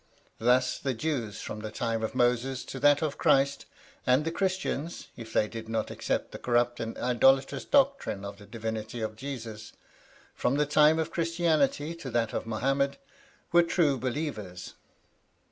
Thus the Jews from the time of Moses to that of Christ, and the Christians (if they did not accept the corrupt and idolatrous doctrine of the divinity of Jesus) from the time of Christianity to that of Mohammed, were true believers.